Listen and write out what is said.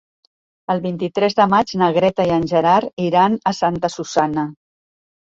El vint-i-tres de maig na Greta i en Gerard iran a Santa Susanna.